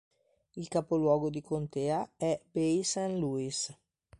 Il capoluogo di contea è Bay St. Louis.